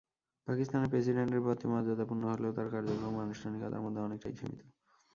পাকিস্তানে প্রেসিডেন্টের পদটি মর্যাদাপূর্ণ হলেও তাঁর কার্যক্রম আনুষ্ঠানিকতার মধ্যেই অনেকটা সীমিত।